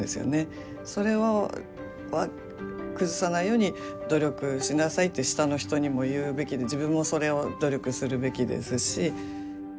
それは崩さないように努力しなさいって下の人にも言うべきで自分もそれを努力するべきですし。